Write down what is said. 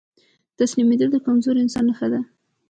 تسليمېدل د کمزوري انسان نښه ده.